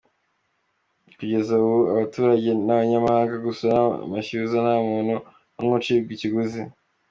Kugeza ubu abaturage n’abanyamahanga gusura amashyuza nta muntu n’umwe ucibwa ikiguzi.